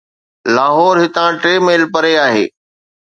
لاهور هتان ٽي ميل پري آهي